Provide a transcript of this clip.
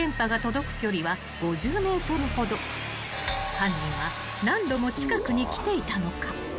［犯人は何度も近くに来ていたのか？］